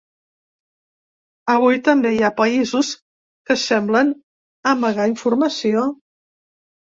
Avui també hi ha països que semblen amagar informació.